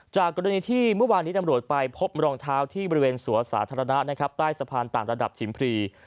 จากกรณีที่เมื่อวานนี้ตำรวจไปพบรองเท้าที่บริเวณสวนสาธารณะนะครับใต้สะพานต่างระดับชิมพรี